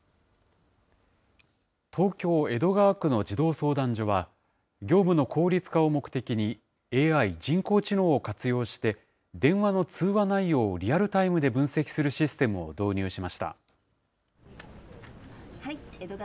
東京・江戸川区の児童相談所は、業務の効率化を目的に、ＡＩ・人工知能を活用して、電話の通話内容をリアルタイムで分析するシステムを導入しました。